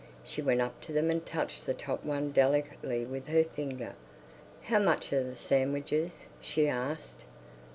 She went up to them and touched the top one delicately with her finger. "How much are the sandwiches?" she asked.